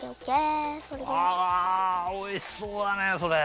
あおいしそうだねそれ。